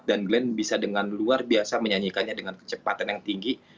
dan glenn bisa dengan luar biasa menyanyikannya dengan kecepatan yang tinggi